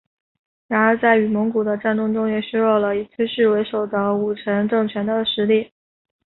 然而在与蒙古的战争中也削弱了以崔氏为首的武臣政权的实力。